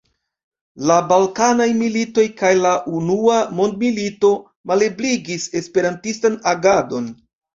La balkanaj militoj kaj la Unua Mondmilito malebligis esperantistan agadon.